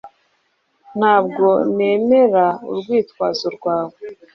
Ntabwo nemera urwitwazo rwawe